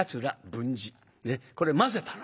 これ交ぜたの。